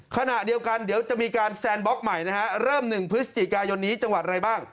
ขณะเดียวกันเดี๋ยวจะมีการแซนบล็อกใหม่นะฮะเริ่ม๑พฤศจิกายนนี้จังหวัดอะไรบ้าง